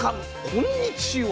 こんにちは。